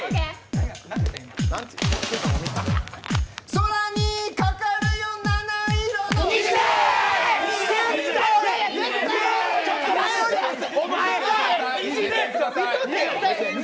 空にかかるよ七色の虹です！